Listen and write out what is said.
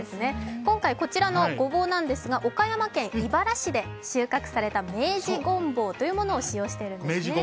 今回、こちらのごぼうなんですが、岡山県井原市で収穫された明治ごんぼうというものを使用しているんですね。